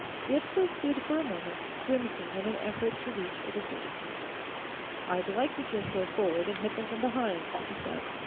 Yetsko stood for a moment, grimacing in an effort to reach a decision. "I'd like to just go forward and hit them from behind," he said.